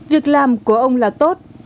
việc làm của ông là tốt